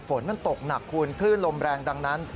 ฝนมันตกหนักคุณคลื่นลมแรงดังนั้น